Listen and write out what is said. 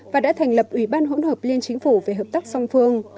và đã thành lập ủy ban hỗn hợp liên chính phủ về hợp tác song phương